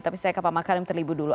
tapi saya ke pak makarim terlebih dulu